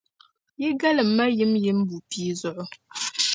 Yi galim ma yimyim bupia zuɣu.